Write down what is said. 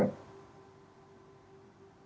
kan kalau misalnya kita bukan bicara jalan sampel